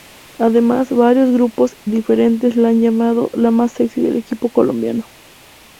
Además, varios grupos diferentes la han llamado "la fan más sexy del equipo colombiano".